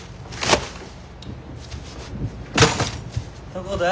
どこだ？